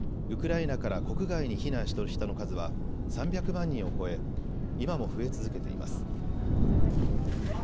ウクライナから国外に避難した人の数は３００万人を超え今も増え続けています。